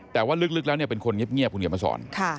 แต่ว่าลึกแล้วเป็นคนเงียบคุณเขียนมาสอน